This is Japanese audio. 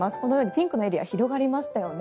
ピンクのエリアが広がりましたよね。